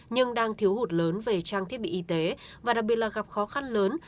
nhưng đang thiếu hụt lớn về trang thiết bị y tế và đặc biệt là gặp khó khăn lớn